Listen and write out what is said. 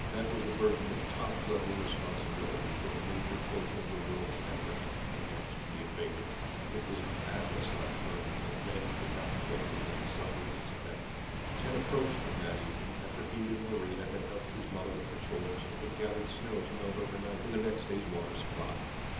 That was the burden of top level responsibility for a major portion of the world's effort against the "invader." It was an Atlas like burden that men could not carry without suffering its effects. Ken approached them that evening, after he and Maria had helped his mother with her chores and had gathered snow to melt overnight for their next day's water supply.